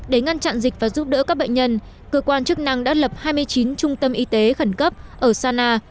để ngăn chặn dịch và giúp đỡ các bệnh nhân cơ quan chức năng đã lập hai mươi chín trung tâm y tế khẩn cấp ở sana